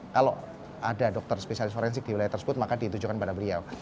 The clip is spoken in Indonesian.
kalau ada dokter spesialis forensik di wilayah tersebut maka ditujukan pada beliau